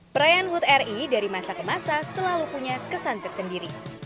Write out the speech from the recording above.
perayaan hut ri dari masa ke masa selalu punya kesan tersendiri